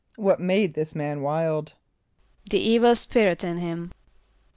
= What made this man wild? =The evil spirit in him.